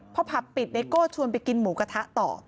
พอผับปิดไนโก้ชวนไปกินหมูกระทะต่อ